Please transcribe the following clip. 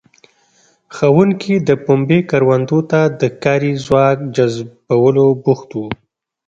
ښوونکي د پنبې کروندو ته د کاري ځواک جذبولو بوخت وو.